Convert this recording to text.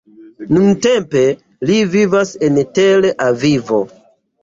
Nuntempe li vivas en Tel Avivo.